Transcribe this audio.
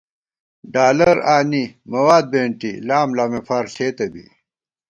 ڈالر آنی، مَواد بېنٹی، لاملامےفار ݪېتہ بی